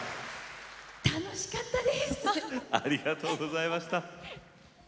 楽しかったです。